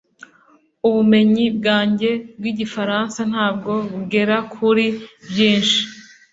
Ubumenyi bwanjye bw'igifaransa ntabwo bugera kuri byinshi